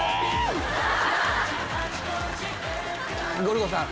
ゴルゴさん。